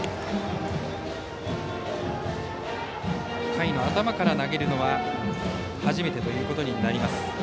回の頭から投げるのは初めてということになります。